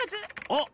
あっ！